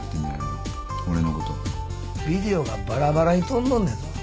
ビデオがバラバラに飛んどんのやぞ。